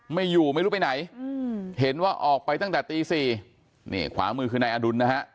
ไม่อยู่ไม่รู้ไปไหนเห็นว่าออกไปตั้งแต่ตี๔นี่ขวามือคือนายอดุลนะฮะ